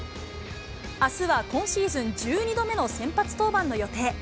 あすは今シーズン１２度目の先発登板の予定。